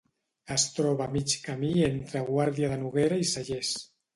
Es troba a mig camí entre Guàrdia de Noguera i Cellers.